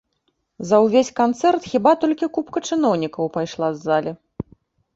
За ўвесь канцэрт хіба толькі купка чыноўнікаў пайшла з залі.